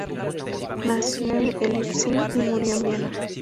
Nació en Leipzig y murió en Viena.